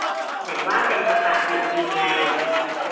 ไหนว่าเป็น "ประกาศหยุดยิง" ไง